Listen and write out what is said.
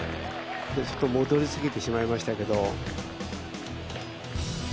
ちょっと戻りすぎてしまいましたけど。